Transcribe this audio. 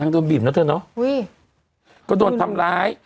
นางโดนบีบเนอะเท่าเนอะอุ้ยก็โดนทำร้าย